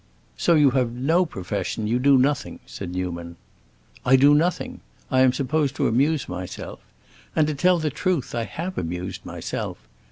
"So you have no profession—you do nothing," said Newman. "I do nothing! I am supposed to amuse myself, and, to tell the truth, I have amused myself.